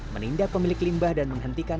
menindak pemilik limbah dan menghentikan